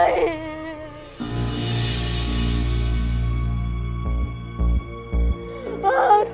อีพ่อ